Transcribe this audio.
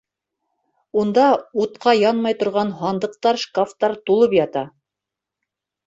Унда утҡа янмай торған һандыҡтар, шкафтар тулып ята.